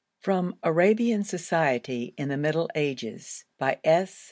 From 'Arabian Society in the Middle Ages,' by S.